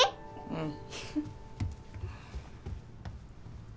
うん。